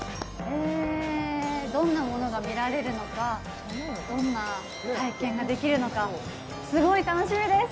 どんなものが見られるのかどんな体験ができるのかすごい楽しみです。